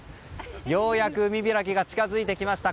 ようやく海開きが近づいてきました